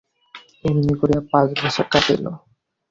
এমনি করিয়া পাঁচ বছর কাটিল।